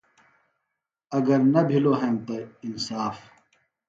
اگر نہ بِھلوۡ ہنتہ انصاف۔